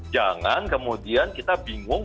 jangan kemudian kita bingung